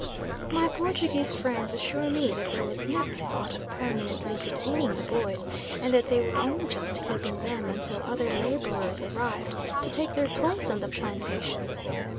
My Portuguese friends assure me that there was never thought of permanently detaining the boys, and that they were only just keeping them until other labourers arrived to take their place on the plantations.